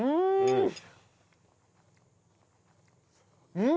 うん！